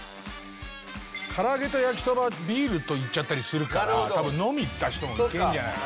唐揚と焼そばはビールといっちゃったりするから多分飲み行った人もいけるんじゃないかな。